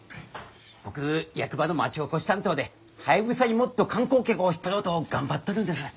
僕役場の町おこし担当でハヤブサにもっと観光客を引っ張ろうと頑張っとるんです。